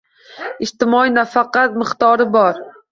Ijtimoiy nafaqa miqdori bor